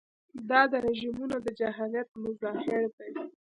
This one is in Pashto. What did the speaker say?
دا رژیمونه د جاهلیت مظاهر دي.